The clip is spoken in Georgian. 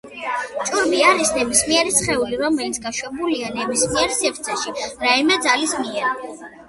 ჭურვი არის ნებისმიერი სხეული რომელიც გაშვებულია ნებისმიერ სივრცეში რაიმე ძალის მიერ.